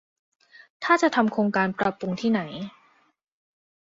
ถ้าจะทำโครงการปรับปรุงที่ไหน